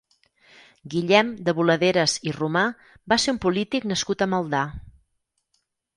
Guillem de Boladeres i Romà va ser un polític nascut a Maldà.